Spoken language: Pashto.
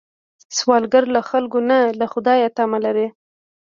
سوالګر له خلکو نه، له خدایه تمه لري